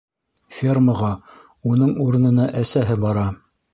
Фермаға уның урынына әсәһе бара.